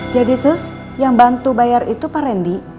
jadi sus yang bantu bayar itu pak rendy